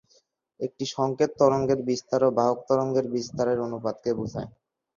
এটি সংকেত তরঙ্গের বিস্তার ও বাহক তরঙ্গের বিস্তারের অনুপাতকে বোঝায়।